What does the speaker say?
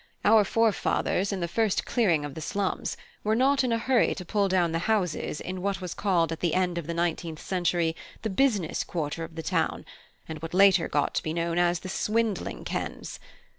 Our forefathers, in the first clearing of the slums, were not in a hurry to pull down the houses in what was called at the end of the nineteenth century the business quarter of the town, and what later got to be known as the Swindling Kens.